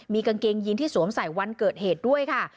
มีกางเกงยีนที่สวมใส่วันเกิดเหตุด้วยค่ะ